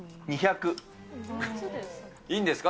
いいんですか？